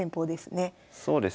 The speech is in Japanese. そうですね。